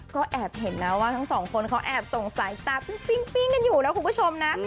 ก็แอบเห็นนะว่าทั้ง๒คนเขาสงสัยโปรดตาชอบกันอยู่แล้วคุณผู้ชมนะ